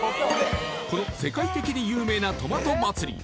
この世界的に有名なトマト祭り